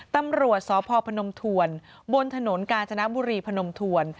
ตำรวจสพพนมทวนบนถนนกาญจนบุรีพนมทวน